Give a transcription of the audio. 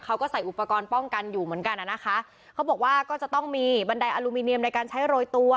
เขาก็ใส่อุปกรณ์ป้องกันอยู่เหมือนกันอ่ะนะคะเขาบอกว่าก็จะต้องมีบันไดอลูมิเนียมในการใช้โรยตัว